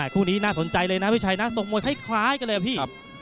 คู่นี้น่าสนใจเลยนะพี่ชัยนะส่งมวยคล้ายกันเลยอะพี่